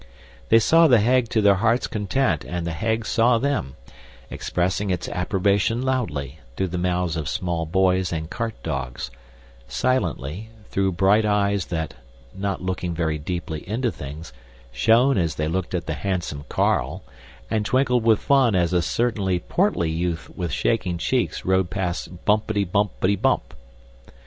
They saw The Hague to their hearts' content, and The Hague saw them expressing its approbation loudly, through the mouths of small boys and cart dogs; silently, through bright eyes that, not looking very deeply into things, shone as they looked at the handsome Carl and twinkled with fun as a certainly portly youth with shaking cheeks rode past bumpetty, bumpetty, bump!